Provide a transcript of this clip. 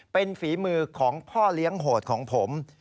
เป็นฝีมือของพ่อเลี้ยงโหดของผม